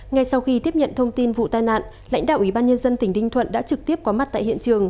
ngay sau khi tiếp nhận thông tin vụ tai nạn lãnh đạo ủy ban nhân dân tỉnh ninh thuận đã trực tiếp có mặt tại hiện trường